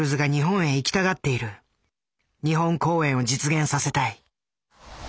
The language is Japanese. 「日本公演を実現させたい」。